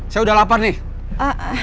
saya udah lapar nih